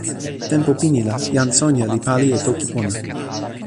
tenpo pini la, jan Sonja li pali e toki pona.